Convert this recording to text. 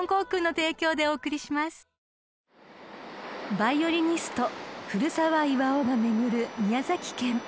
［ヴァイオリニスト古澤巖が巡る宮崎県］